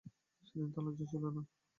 সেদিন তাঁর লজ্জা ছিল না।